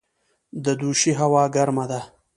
د دوشي هوا ګرمه ده